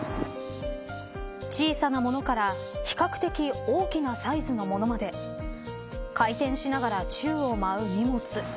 小さな物から比較的大きなサイズの物まで回転しながら宙を舞う荷物。